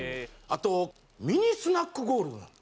あと「ミニスナックゴールド」なの。